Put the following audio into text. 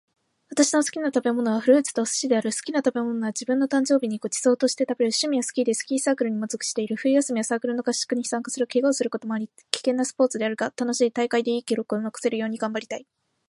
私の好きな食べ物は、フルーツとお寿司である。好きな食べ物は自分の誕生日にごちそうとして食べる。趣味はスキーで、スキーサークルにも属している。冬休みは、サークルの合宿に参加する。怪我をすることもあり危険なスポーツであるが、楽しい。大会でいい記録を残せるように頑張りたい。